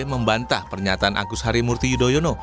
membantah pernyataan agus harimurti yudhoyono